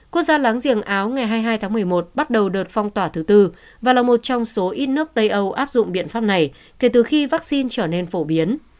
quốc gia láng giềng áo ngày hai mươi hai tháng một mươi một bắt đầu đợt phong tỏa thứ tư và là một trong số ít nước tây âu áp dụng biện pháp này kể từ khi vaccine trở nên phổ biến